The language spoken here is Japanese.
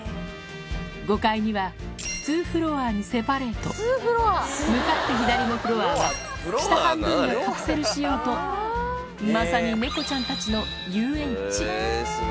５階には２フロアにセパレート、向かって左のフロアは、下半分がカプセル仕様と、まさに猫ちゃんたちの遊園地。